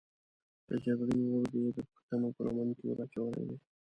د جګړې اور یې د پښتنو په لمن کې ور اچولی دی.